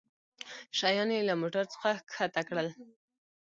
شيان يې له موټرڅخه کښته کړل.